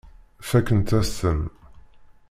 Fakkent-as-ten.